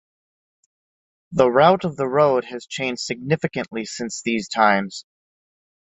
The route of the road has changed significantly since these times.